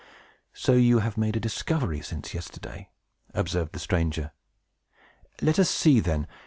So you have made a discovery, since yesterday?" observed the stranger. "Let us see, then.